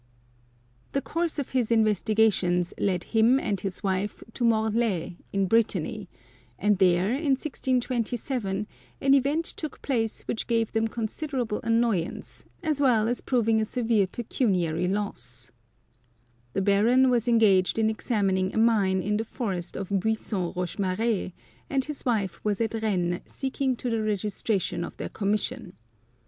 The course of his investigations led him and his 155 Curiosities of Olden Times wife to Morlaix, in Brittany, and there, in 1627, an event took place which gave them considerable annoyance, as well as proving a severe pecuniary loss. The Baron was engaged in examining a mine in the forest of Buisson Rochemar^e, and his wife was at Rennes seeing to the registration of their commission.